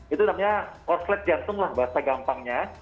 itu namanya orslet jantung lah bahasa gampangnya